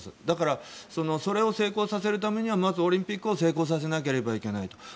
だからそれを成功させるためにはまずオリンピックを成功させなければいけないと。